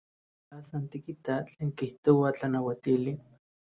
Tla san tikitaj tlen kijtoa tlanauatili.